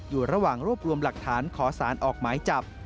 อยู่ระหว่างรวบรวมหลักฐานขอสารออกหมายจับ